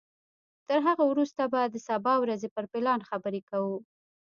تر هغه وروسته به د سبا ورځې پر پلان خبرې کوو.